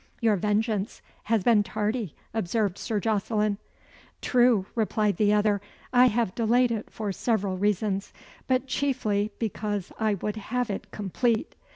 "Your vengeance has been tardy," observed Sir Jocelyn. "True," replied the other. "I have delayed it for several reasons, but chiefly because I would have it complete.